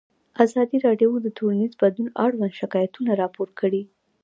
ازادي راډیو د ټولنیز بدلون اړوند شکایتونه راپور کړي.